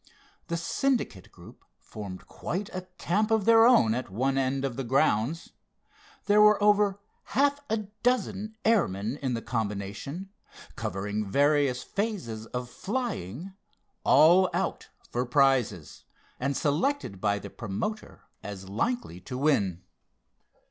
The Syndicate group formed quite a camp of their own at one end of the grounds. There were over half a dozen airmen in the combination, covering various phases of flying, all out for prizes, and selected by the promoter as likely to win.